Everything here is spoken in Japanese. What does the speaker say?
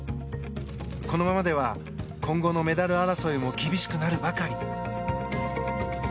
このままでは今後のメダル争いも厳しくなるばかり。